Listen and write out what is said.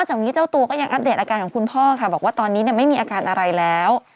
จากนี้เจ้าตัวก็ยังอัปเดตอาการของคุณพ่อค่ะบอกว่าตอนนี้ไม่มีอาการอะไรแล้ว